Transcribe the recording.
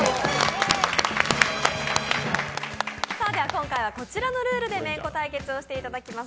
今回はこちらのルールでメンコ対決をしていただきます。